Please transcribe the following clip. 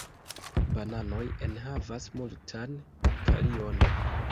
Bananoj enhavas multan kalion.